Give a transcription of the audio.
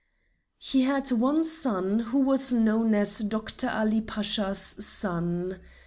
He had one son who was known as Doctor Ali Pasha's son.